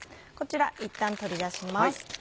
こちらいったん取り出します。